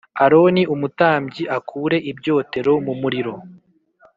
Aroni umutambyi akure ibyotero mu muriro